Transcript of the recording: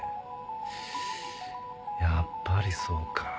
やっぱりそうか。